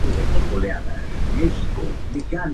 Cargador pequeño y recarga lenta.